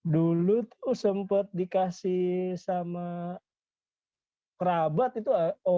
dulu sempat dikasih sama perabat itu